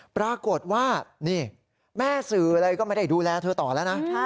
ปรากฏว่านี่แม่สื่ออะไรก็ไม่ได้ดูแลเธอต่อแล้วนะ